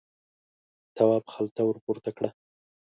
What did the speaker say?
تواب خلته ور پورته کړه.